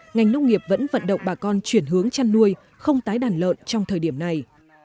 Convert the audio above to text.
ngành nông nghiệp vẫn vận động bà con chuyển hướng chăn nuôi không tái đàn lợn trong thời điểm này